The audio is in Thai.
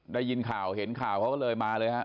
ได้ยินข่าวเห็นข่าวเขาก็เลยมาเลยฮะ